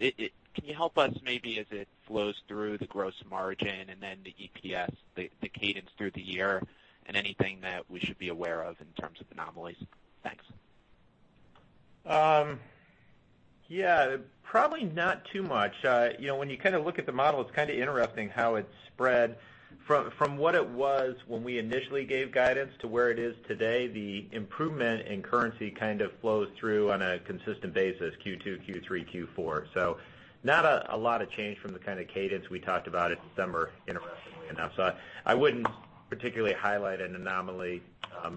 can you help us maybe as it flows through the gross margin and then the EPS, the cadence through the year and anything that we should be aware of in terms of anomalies? Thanks. Yeah, probably not too much. When you look at the model, it's kind of interesting how it's spread from what it was when we initially gave guidance to where it is today. The improvement in currency kind of flows through on a consistent basis, Q2, Q3, Q4. Not a lot of change from the kind of cadence we talked about in December, interestingly enough. I wouldn't particularly highlight an anomaly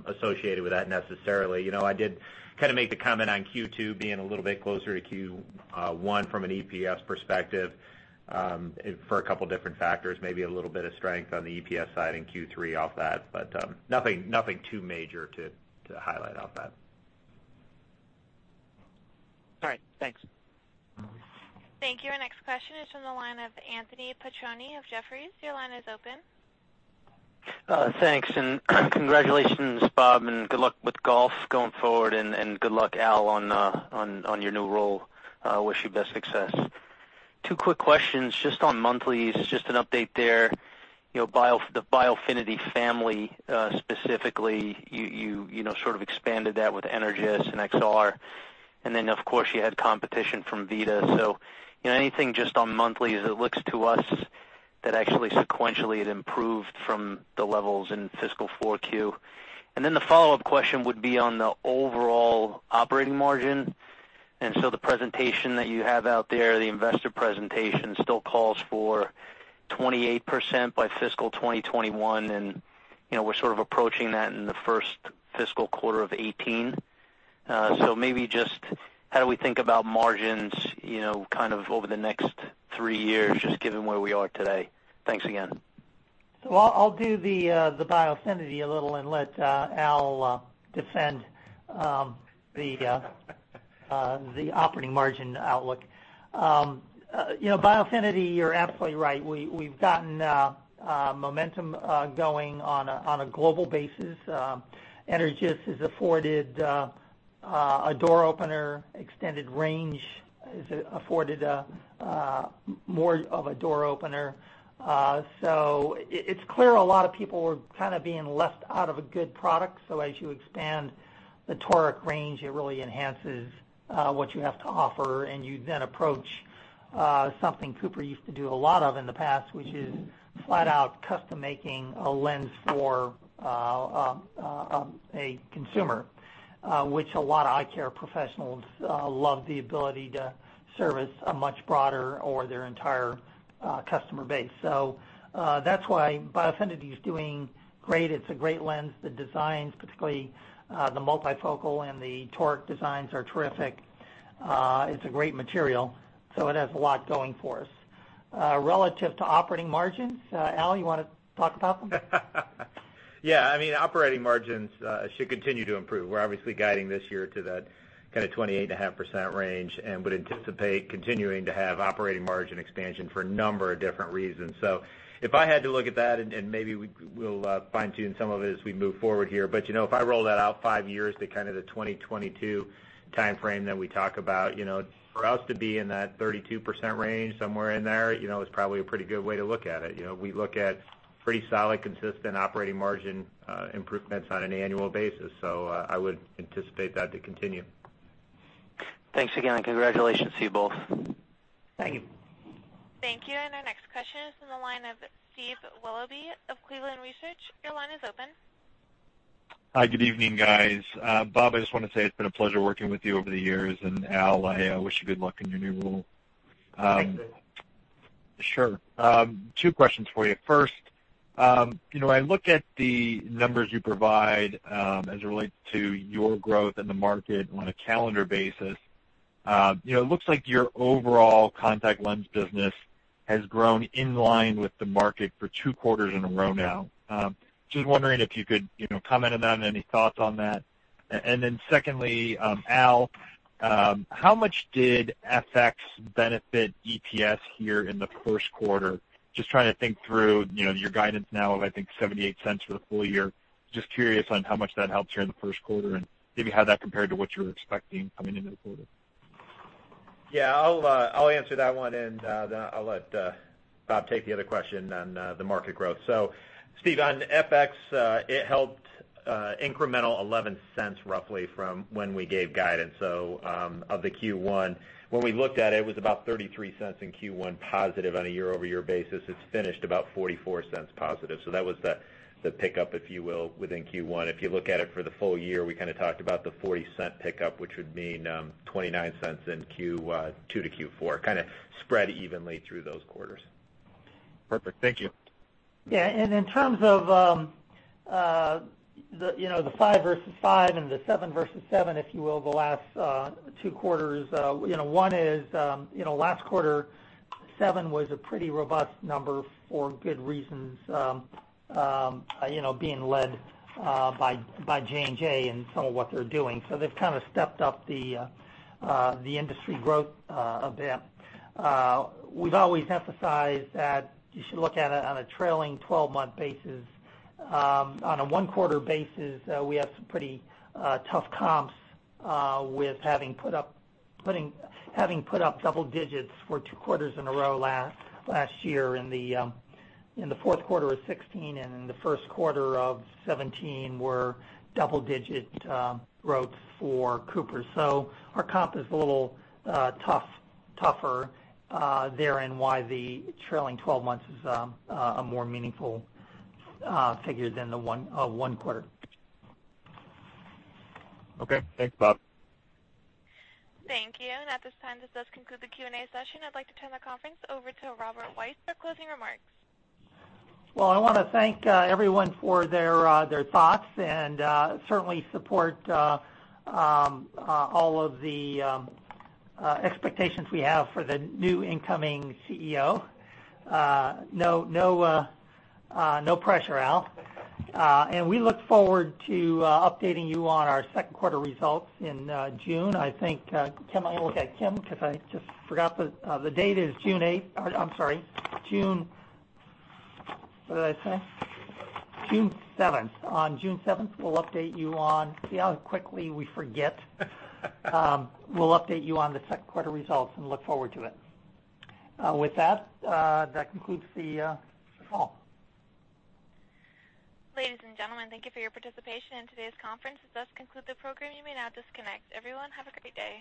associated with that necessarily. I did kind of make the comment on Q2 being a little bit closer to Q1 from an EPS perspective for a couple of different factors, maybe a little bit of strength on the EPS side in Q3 off that, but nothing too major to highlight off that. All right. Thanks. Thank you. Our next question is from the line of Anthony Petrone of Jefferies. Your line is open. Thanks. Congratulations, Bob, and good luck with golf going forward, and good luck, Al, on your new role. I wish you best success. Two quick questions just on monthlies, just an update there. The Biofinity family, specifically, you sort of expanded that with Energys and XR, and then, of course, you had competition from Vita. Anything just on monthly as it looks to us that actually sequentially it improved from the levels in fiscal 4Q. The follow-up question would be on the overall operating margin. The presentation that you have out there, the investor presentation still calls for 28% by fiscal 2021, and we're sort of approaching that in the first fiscal quarter of 2018. Maybe just how do we think about margins kind of over the next three years, just given where we are today? Thanks again. I'll do the Biofinity a little and let Al defend the operating margin outlook. Biofinity, you're absolutely right. We've gotten momentum going on a global basis. Energys has afforded a door opener, extended range has afforded more of a door opener. It's clear a lot of people were kind of being left out of a good product. As you expand the toric range, it really enhances what you have to offer, and you then approach something Cooper used to do a lot of in the past, which is flat out custom making a lens for a consumer, which a lot of eye care professionals love the ability to service a much broader or their entire customer base. That's why Biofinity is doing great. It's a great lens. The designs, particularly the multifocal and the toric designs are terrific. It's a great material, it has a lot going for us. Relative to operating margins, Al, you want to talk about them? Yeah. Operating margins should continue to improve. We're obviously guiding this year to that kind of 28.5% range and would anticipate continuing to have operating margin expansion for a number of different reasons. If I had to look at that and maybe we'll fine-tune some of it as we move forward here, but if I roll that out five years to kind of the 2022 timeframe that we talk about, for us to be in that 32% range, somewhere in there, is probably a pretty good way to look at it. We look at pretty solid, consistent operating margin improvements on an annual basis, I would anticipate that to continue. Thanks again, congratulations to you both. Thank you. Thank you. Our next question is from the line of Steve Willoughby of Cleveland Research. Your line is open. Hi, good evening, guys. Bob, I just want to say it's been a pleasure working with you over the years, and Al, I wish you good luck in your new role. Thanks, Steve. Sure. Two questions for you. First, I look at the numbers you provide as it relates to your growth in the market on a calendar basis. It looks like your overall contact lens business has grown in line with the market for two quarters in a row now. Just wondering if you could comment on that and any thoughts on that. Secondly, Al, how much did FX benefit EPS here in the first quarter? Just trying to think through your guidance now of, I think, $0.78 for the full year. Just curious on how much that helps here in the first quarter and maybe how that compared to what you were expecting coming into the quarter. Yeah, I'll answer that one, and then I'll take the other question on the market growth. Steve, on FX, it helped incremental $0.11 roughly from when we gave guidance. Of the Q1, when we looked at it was about $0.33 in Q1 positive on a year-over-year basis. It's finished about $0.44 positive. That was the pickup, if you will, within Q1. If you look at it for the full year, we kind of talked about the $0.40 pickup, which would mean $0.29 in Q2 to Q4, kind of spread evenly through those quarters. Perfect. Thank you. Yeah. In terms of the five versus five and the seven versus seven, if you will, the last two quarters, one is last quarter seven was a pretty robust number for good reasons, being led by J&J and some of what they're doing. They've kind of stepped up the industry growth a bit. We've always emphasized that you should look at it on a trailing 12-month basis. On a one quarter basis, we have some pretty tough comps with having put up double digits for two quarters in a row last year in the fourth quarter of 2016 and in the first quarter of 2017 were double-digit growth for Cooper. Our comp is a little tougher there and why the trailing 12 months is a more meaningful figure than the one quarter. Okay, thanks Bob. Thank you. At this time, this does conclude the Q&A session. I'd like to turn the conference over to Robert Weiss for closing remarks. Well, I want to thank everyone for their thoughts and certainly support all of the expectations we have for the new incoming CEO. No pressure, Al. We look forward to updating you on our second quarter results in June. I think, Kim, I look at Kim because I just forgot the date is June 8th. I'm sorry, June, what did I say? June 7th. On June 7th, we'll update you on. See how quickly we forget. We'll update you on the second quarter results and look forward to it. With that concludes the call. Ladies and gentlemen, thank you for your participation in today's conference. This does conclude the program. You may now disconnect. Everyone, have a great day.